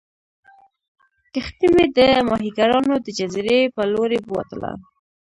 کښتۍ مې د ماهیګیرانو د جزیرې په لورې بوتله.